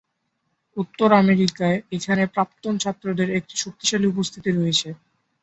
উত্তর আমেরিকায় এখানের প্রাক্তন ছাত্রদের একটি শক্তিশালী উপস্থিতি রয়েছে।